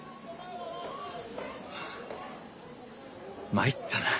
参ったなぁ。